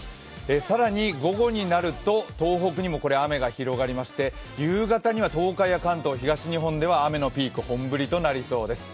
更に、午後になると東北にも雨が広がりまして、夕方には東海や関東、東日本では雨のピーク、本降りとなりそうです。